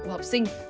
trong thời hiện đại